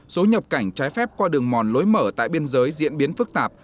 số nhập cảnh trái phép qua đường mòn lối mở tại biên giới diễn biến phức tạp